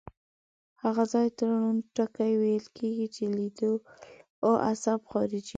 هغه ځای ته ړوند ټکی ویل کیږي چې لیدلو عصب خارجیږي.